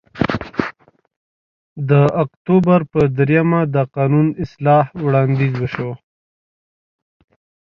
د اکتوبر په درېیمه د قانون اصلاح وړاندیز وشو